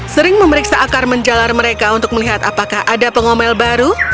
sering memeriksa akar menjalar mereka untuk melihat apakah ada pengomel baru